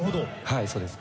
はいそうです。